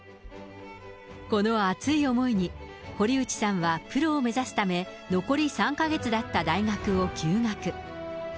この熱い思いに、堀内さんはプロを目指すため、残り３か月だった大学を休学。